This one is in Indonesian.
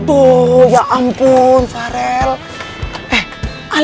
aduh ya ampun sarehol